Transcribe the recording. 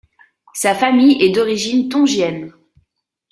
Sa famille est d'origine tongienne.